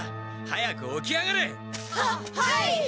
早く起き上がれ！ははい！